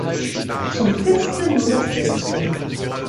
Zum Feste nur das Beste.